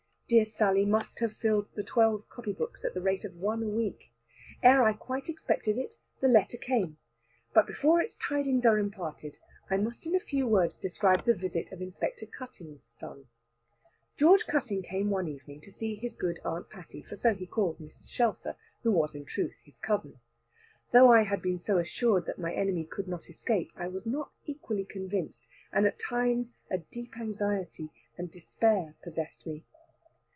Dear Sally must have filled the twelve copybooks, at the rate of one a week. Ere I quite expected it, the letter came; but before its tidings are imparted, I must in few words describe the visit of Inspector Cutting's son. George Cutting came one evening to see his good Aunt Patty, for so he called Mrs. Shelfer, who was in truth his cousin. Though I had been so assured that my enemy could not escape, I was not equally convinced, and at times a deep anxiety and despair possessed me.